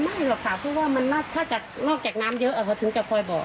ไม่หรอกค่ะเพราะว่าถ้าจะนอกแกะน้ำเยอะถึงจะค่อยบอก